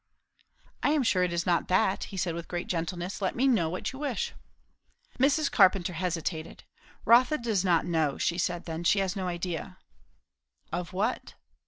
"I am sure it is not that," he said with great gentleness. "Let me know what you wish." Mrs. Carpenter hesitated. "Rotha does not know," she said then. "She has no idea " "Of what?"